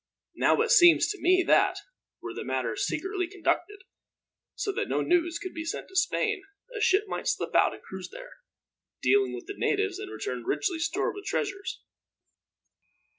Now it seems to me that, were the matter secretly conducted, so that no news could be sent to Spain, a ship might slip out and cruise there, dealing with the natives, and return richly stored with treasures.